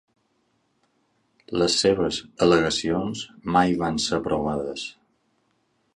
Les seves al·legacions mai van ser provades.